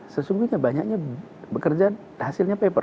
sesungguhnya banyaknya bekerja hasilnya paper